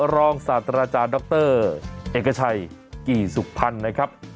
รองศาสตราจารย์ดรเอกชัยกี่สุขพันธ์นะครับ